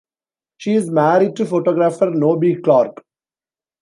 She is married to photographer Nobby Clark.